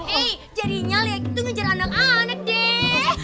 hey jadinya leak itu ngejar anak anak deh